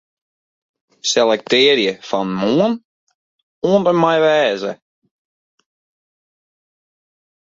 Selektearje fan 'Moarn' oant en mei 'wêze'.